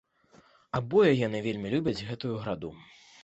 Абое яны вельмі любяць гэтую граду.